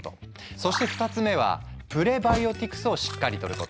そして２つ目はプレバイオティクスをしっかりとること。